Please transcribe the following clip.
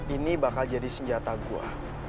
ini bakal jadi senjata gue